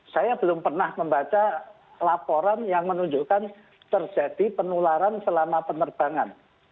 saya belum pernah membaca laporan yang menunjukkan terjadi penularan selama penerbangan